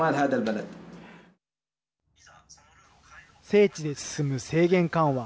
聖地で進む制限緩和。